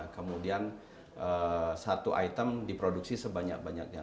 kemudian satu item diproduksi sebanyak banyaknya